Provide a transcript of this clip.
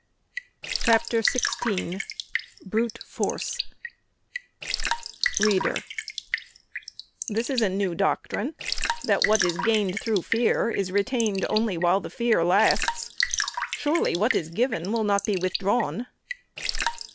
CHAPTER XVI BRUTE FORCE READER: This is a new doctrine; that what is gained through fear is retained only while the fear lasts. Surely, what is given will not be withdrawn?